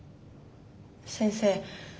先生